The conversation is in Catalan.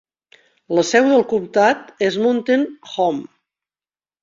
La seu del comtat és Mountain Home.